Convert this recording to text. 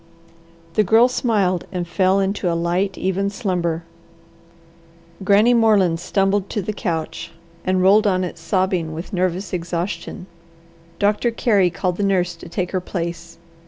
The Girl smiled and fell into a light, even slumber. Granny Moreland stumbled to the couch and rolled on it sobbing with nervous exhaustion. Doctor Carey called the nurse to take her place.